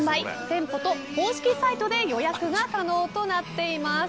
店舗と公式サイトで予約が可能となっています。